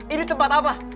ini tempat apa